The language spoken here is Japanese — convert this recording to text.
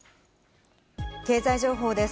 経済情報です。